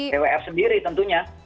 pedi pitalitas twr sendiri tentunya